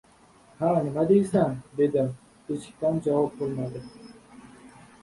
— Ha, nima deysan? — dedim. Beshikdan javob bo‘lmadi.